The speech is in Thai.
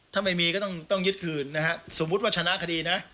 ถ้าไม่มีก็ต้องยึดคืนนะฮะสมมุติว่าชนะคดีนะ